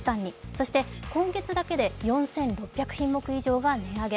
そして今月だけで４６００品目が値上げ。